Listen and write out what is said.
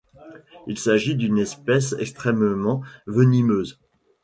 Il s'agit d'une espèces extrêmement venimeuse.